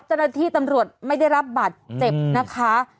ตรวจที่ตำรวจไม่ได้รับบัตรเจ็บนะคะ